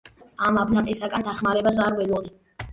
ამ აბლაყისგან დახმარებას არ ველოდი.